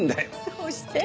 どうして？